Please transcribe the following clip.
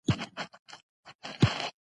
مالي امانتداري د کاروبار بریا تضمینوي.